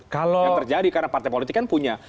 kalau yang terjadi karena partai politik kan punya